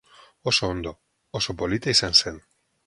Oso ondo, oso polita izan zen.